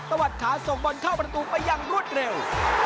วัดขาส่งบอลเข้าประตูไปอย่างรวดเร็ว